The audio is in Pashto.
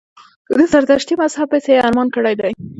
د زردشتي مذهب پسي یې ارمان کړی دی.